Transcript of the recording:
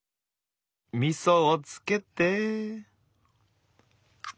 みそをつけて。